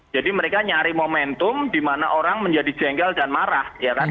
jadi mereka nyari momentum di mana orang menjadi jenggel dan marah